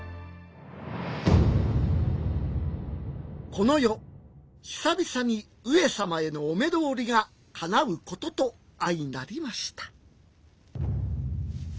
この夜久々に上様へのお目通りがかなうこととあいなりました